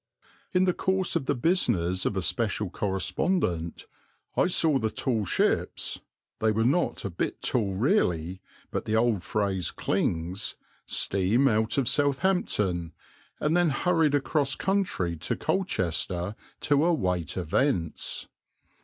In the course of the business of a special correspondent, I saw the tall ships they were not a bit tall really, but the old phrase clings steam out of Southampton, and then hurried across country to Colchester to await events.